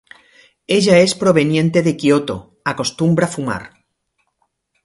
Ella es proveniente de Kioto, acostumbra fumar.